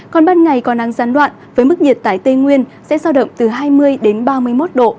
còn ban ngày có nắng gián đoạn với mức nhiệt tại tây nguyên sẽ so đậm từ hai mươi ba mươi một độ